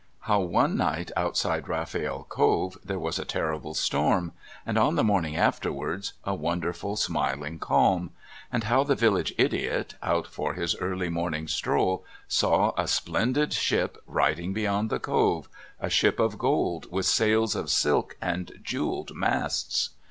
How one night outside Rafiel Cove there was a terrible storm, and on the morning afterwards a wonderful, smiling calm, and how the village idiot, out for his early morning stroll, saw a splendid ship riding beyond the Cove, a ship of gold with sails of silk and jewelled masts.